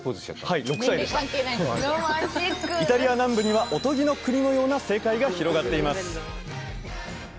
イタリア南部にはおとぎの国のような世界が広がっています